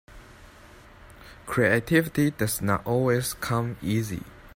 Creativity does not always come easy.